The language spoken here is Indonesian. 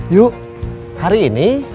yuk hari ini